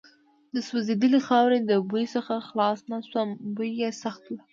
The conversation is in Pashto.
د سوځېدلې خاورې د بوی څخه خلاص نه شوم، بوی یې سخت و.